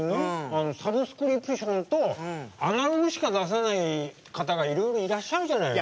あのサブスクリプションとアナログしか出さない方がいろいろいらっしゃるじゃないの。